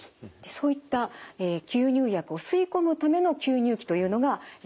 そういった吸入薬を吸い込むための吸入器というのがこちら。